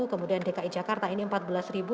kemudian dki jakarta ini empat belas ribu